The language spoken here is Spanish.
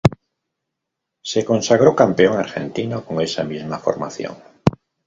Se consagró Campeón Argentino con esa misma formación.